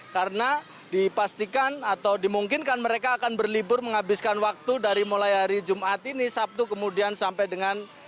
karena dipastikan atau dimungkinkan mereka akan berlibur menghabiskan waktu dari mulai hari jumat ini sabtu kemudian sampai dengan